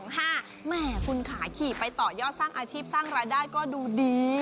แหมคุณขาขี่ไปต่อยอดสร้างอาชีพสร้างรายได้ก็ดูดี